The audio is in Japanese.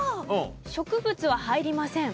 植物は入りません。